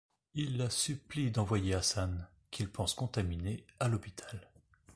Il la supplie d'envoyer Hassan, qu'il pense contaminé, à l'hôpital.